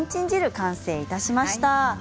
完成いたしました。